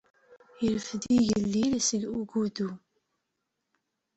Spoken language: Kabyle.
Ireffed-d igellil seg ugudu.